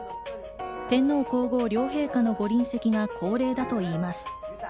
天皇皇后両陛下のご臨席が恒例だといいます。